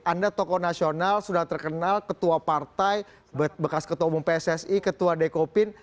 anda tokoh nasional sudah terkenal ketua partai bekas ketua umum pssi ketua dekopin